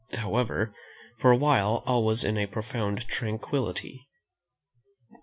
However, for awhile all was in a profound tranquillity.